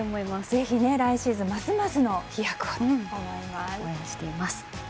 ぜひ来シーズンもますますの飛躍をと思います。